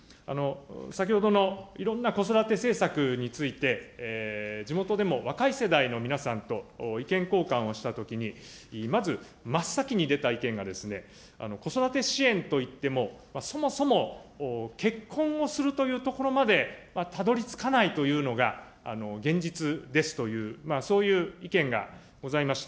先ほどのいろんな子育て政策について、地元でも若い世代の皆さんと意見交換をしたときに、まず、真っ先に出た意見が、子育て支援といっても、そもそも結婚をするというところまでたどりつかないというのが、現実ですという、そういう意見がございました。